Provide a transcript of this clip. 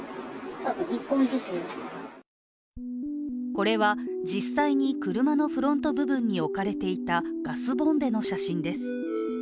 これは実際に車のフロント部分に置かれていたガスボンベの写真です。